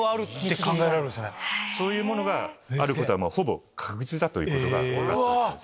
そういうものがあることはほぼ確実だと分かったわけです。